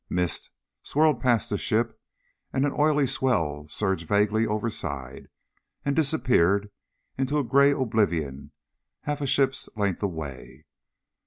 Mist swirled past the ship, and an oily swell surged vaguely overside and disappeared into a gray oblivion half a ship's length away.